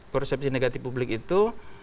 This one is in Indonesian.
persepsi negatif publik itu